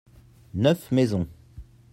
neuf maisons.